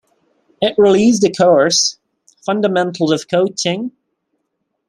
It released a course, Fundamentals of Coaching.